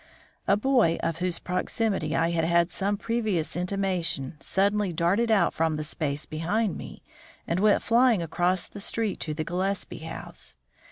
A boy of whose proximity I had had some previous intimation suddenly darted out from the space behind me, and went flying across the street to the Gillespie house.